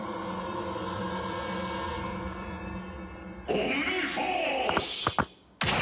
「オムニフォース！」